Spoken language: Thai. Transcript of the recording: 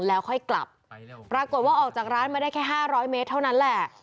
แล้วค่อยกลับปรากฏว่าออกจากร้านมาได้แค่๕๐๐เมตรเท่านั้นแหละ